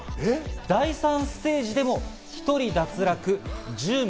第３ステージでも１人脱落、１０名。